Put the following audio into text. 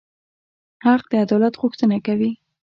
حق د عدالت غوښتنه کوي.